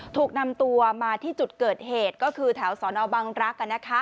ถูกนำตัวมาที่จุดเกิดเหตุก็คือแถวสนบังรักษ์